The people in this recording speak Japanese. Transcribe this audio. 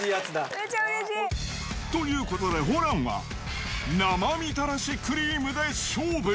めっちゃうれしい。ということで、ホランは生みたらしクリームで勝負。